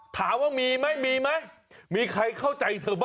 ตามภารกิจของหมอปลากันครับ